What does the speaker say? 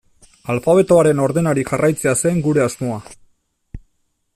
Alfabetoaren ordenari jarraitzea zen gure asmoa.